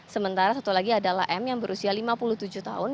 sementara satu lagi adalah m yang berusia lima puluh tujuh tahun